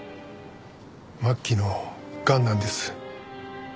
末期のがんなんです。